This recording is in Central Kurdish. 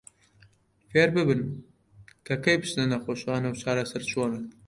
فێرببن کە کەی بچنە نەخۆشخانە و چارەسەر چۆنە.